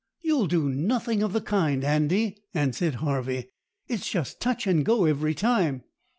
"You'll do nothing of the kind, Andy," answered Harvey. "It's just touch and go every time."